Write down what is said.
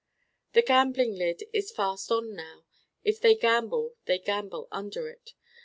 The gambling lid is fast on now if they gamble they gamble under it.